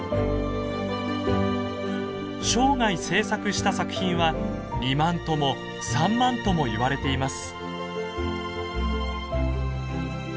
生涯制作した作品は２万とも３万ともいわれています。